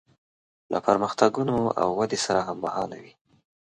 له پرمختګونو او ودې سره هممهاله وي.